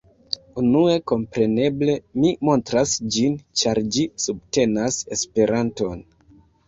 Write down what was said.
Unue, kompreneble mi montras ĝin ĉar ĝi subtenas Esperanton